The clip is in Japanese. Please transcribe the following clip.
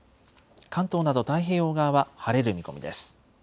関東など、太平洋側は晴れる見込みです。